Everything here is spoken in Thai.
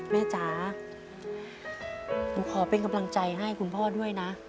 จ๋าหนูขอเป็นกำลังใจให้คุณพ่อด้วยนะ